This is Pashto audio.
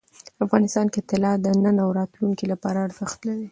افغانستان کې طلا د نن او راتلونکي لپاره ارزښت لري.